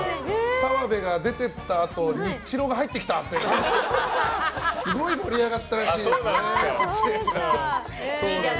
澤部が出てったあとにニッチローが入ってきた！ってすごい盛り上がったらしいです。